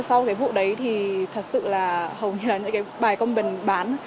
sau cái vụ đấy thì thật sự là hầu như là những cái bài công bình bán